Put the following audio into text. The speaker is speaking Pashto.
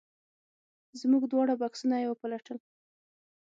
زموږ دواړه بکسونه یې وپلټل.